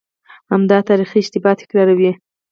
همدغه تاریخي اشتباه تکراروي.